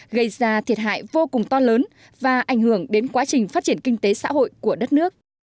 gây ra thiệt hại vô cùng to lớn và ảnh hưởng đến quá trình phát triển kinh tế xã hội của đất nước